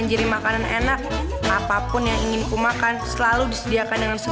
ini buat apa ini buat gini